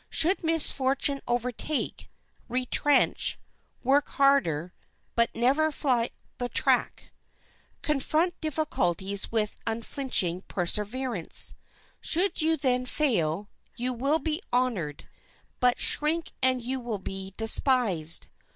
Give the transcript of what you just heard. Should misfortune overtake, retrench, work harder; but never fly the track. Confront difficulties with unflinching perseverance. Should you then fail, you will be honored; but shrink and you will be despised.